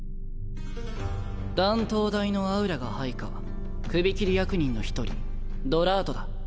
断頭台のアウラが配下首切り役人の１人ドラートだ。